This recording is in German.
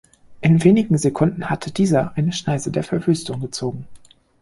In wenigen Sekunden hatte dieser eine Schneise der Verwüstung gezogen.